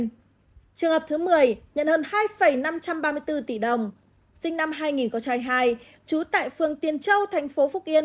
trường hợp thứ mười nhận hơn hai năm trăm ba mươi bốn tỷ đồng sinh năm hai nghìn hai trú tại phương tiên châu thành phố phúc yên